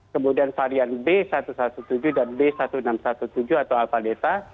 kemudian varian b satu satu tujuh dan b satu enam satu tujuh atau alfa delta